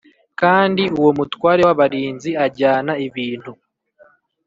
Kandi uwo mutware w abarinzi ajyana ibintu